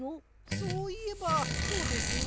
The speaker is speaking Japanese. そういえばそうですね。